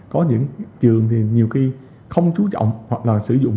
có những trường thì nhiều khi không chú trọng hoặc là sử dụng